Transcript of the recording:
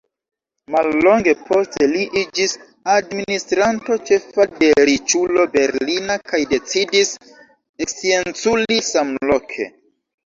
Mallonge poste li iĝis administranto ĉefa de riĉulo berlina kaj decidis ekscienculi samloke.